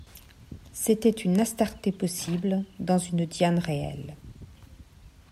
C’était une Astarté possible dans une Diane réelle.